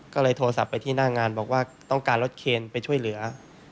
ก็เลยโทรศัพท์ไปที่หน้างานบอกว่าต้องการรถเคนไปช่วยเหลือ